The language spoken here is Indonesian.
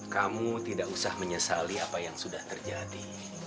kamu tidak usah menyesali apa yang sudah terjadi